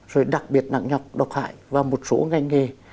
rồi đặc biệt nặng nhọc độc hại và một số ngành nghề